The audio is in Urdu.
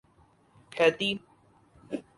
ہیتی